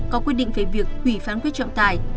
có quyết định về việc hủy phán quyết trọng tài